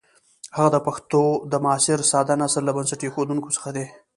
هغه د پښتو د معاصر ساده نثر له بنسټ ایښودونکو څخه دی.